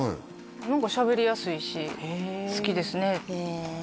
何かしゃべりやすいし好きですね